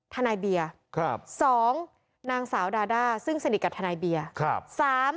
ทนายเบียร์๒นางสาวดาด้าซึ่งสนิทกับทนายเบียร์